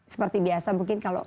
seperti biasa mungkin kalau